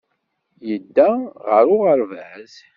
Yedda ɣer uɣerbaz.